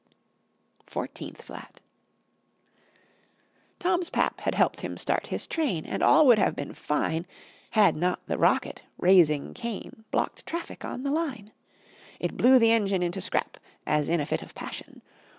[Illustration: THIRTEENTH FLAT] FOURTEENTH FLAT Tom's pap had helped him start his train, And all would have been fine Had not the rocket, raising Cain, Blocked traffic on the line. It blew the engine into scrap, As in a fit of passion.